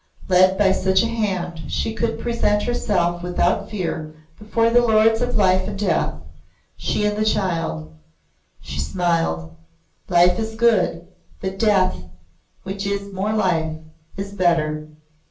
Led by such a hand, she could present herself without fear before the Lords of Life and Death she and the child. She smiled. Life is good, but death, which is more life, is better.